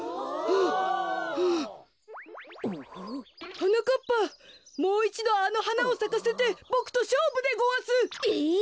はなかっぱもういちどあのはなをさかせてボクとしょうぶでごわす。え！？